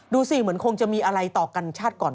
ดูสิเหมือนคงจะมีอะไรต่อกันชาติก่อน